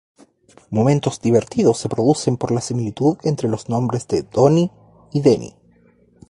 Momentos divertidos se producen por la similitud entre los nombres de Donny y Denny.